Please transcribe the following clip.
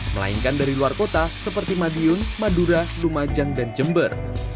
melainkan dari luar kota seperti madiun madura lumajang dan jember